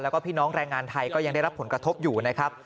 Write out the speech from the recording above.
แล้วก็พี่น้องแรงงานไทยก็ยังได้รับผลกระทบอยู่นะครับ